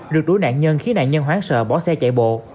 rượt đối nạn nhân khiến nạn nhân hoáng sợ bỏ xe chạy bộ